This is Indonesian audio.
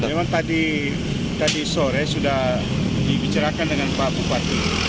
memang tadi sore sudah dibicarakan dengan pak bupati